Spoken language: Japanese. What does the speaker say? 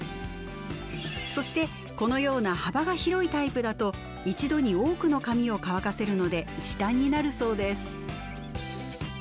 そしてこのような幅が広いタイプだと一度に多くの髪を乾かせるので時短になるそうです。